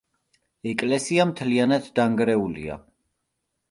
ეკლესია მთლიანად დანგრეულია.